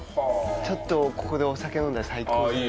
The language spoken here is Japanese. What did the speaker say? ちょっとここでお酒飲んだら最高じゃない？